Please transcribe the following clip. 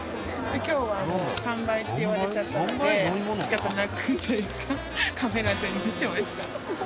「今日は完売って言われちゃったので仕方なくというかカフェラテにしました」